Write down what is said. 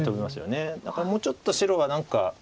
だからもうちょっと白が何か。